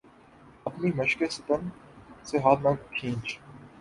اپنی مشقِ ستم سے ہاتھ نہ کھینچ